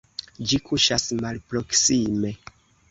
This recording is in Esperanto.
Ĝi kuŝas malproksime.